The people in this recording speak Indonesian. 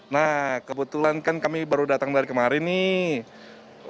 nah kebetulan kan kami baru datang dari kemarin nih